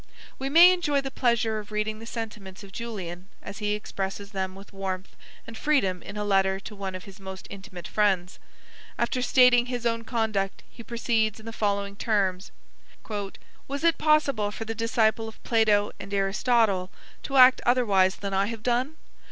We may enjoy the pleasure of reading the sentiments of Julian, as he expresses them with warmth and freedom in a letter to one of his most intimate friends. After stating his own conduct, he proceeds in the following terms: "Was it possible for the disciple of Plato and Aristotle to act otherwise than I have done?